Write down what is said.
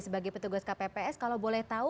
sebagai petugas kpps kalau boleh tahu